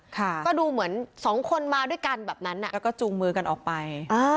ก็ดูเหมือนสองคนมาด้วยกันแบบนั้นแล้วก็จูงมือกันออกไป